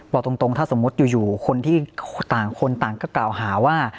รอตรงถ้าสมมติอยู่คนที่ต่างก็กล่าวหาว่า